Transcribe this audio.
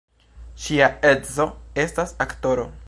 Ŝia edzo estas aktoro.